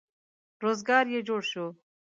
روزګار یې جوړ شو.